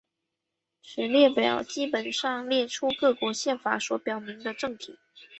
此列表基本上列出各国宪法所表明的政体。